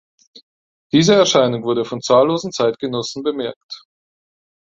Diese Erscheinung wurde von zahllosen Zeitgenossen bemerkt.